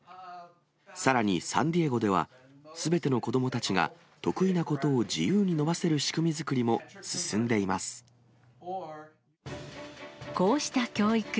さらにサンディエゴでは、すべての子どもたちが得意なことを自由に伸ばせる仕組み作りも進こうした教育。